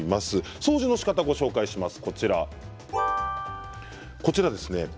掃除のしかたをご紹介します。